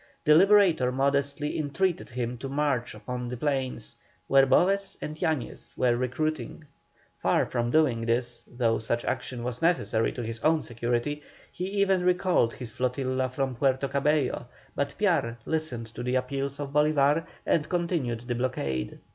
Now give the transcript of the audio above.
The Liberator modestly entreated him to march upon the plains, where Boves and Yañez were recruiting. Far from doing this, though such action was necessary to his own security, he even recalled his flotilla from Puerto Cabello, but Piar listened to the appeals of Bolívar, and continued the blockade.